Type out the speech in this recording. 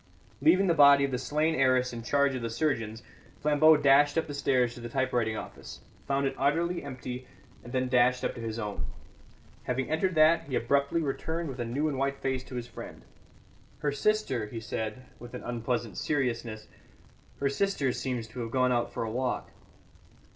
Leaving the body of the slain heiress in charge of the surgeons, Flambeau dashed up the stairs to the typewriting office, found it utterly empty, and then dashed up to his own. Having entered that, he abruptly returned with a new and white face to his friend. "Her sister," he said, with an unpleasant seriousness, "her sister seems to have gone out for a walk."